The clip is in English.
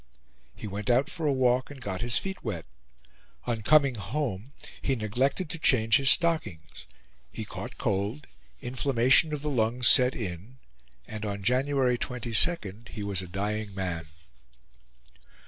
He went out for a walk, and got his feet wet. On coming home, he neglected to change his stockings. He caught cold, inflammation of the lungs set in, and on January 22 he was a dying man.